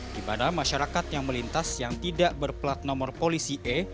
di mana masyarakat yang melintas yang tidak berplat nomor polisi e